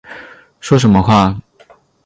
说什么话